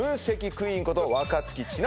クイーンこと若槻千夏